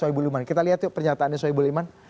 soebubul iman kita lihat tuh pernyataannya soebubul iman